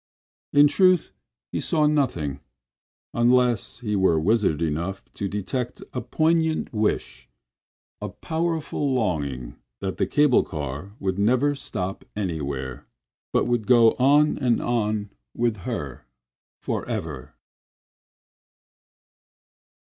In truth, he saw nothing—unless he were wizard enough to detect a poignant wish, a powerful longing that the cable car would never stop anywhere, but go on and on with her forever.